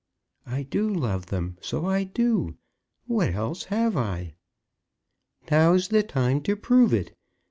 "I do love them; so I do. What else have I?" "Now's the time to prove it.